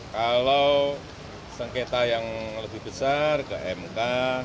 kalau sengketa yang lebih besar ke mk